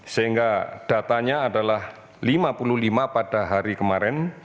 sehingga datanya adalah lima puluh lima pada hari kemarin